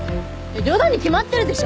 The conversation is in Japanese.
冗談に決まってるでしょ！